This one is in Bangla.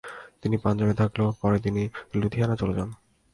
তিনি পাঞ্জাবে থাকলেও পরে তিনি লুধিয়ানা চলে যান।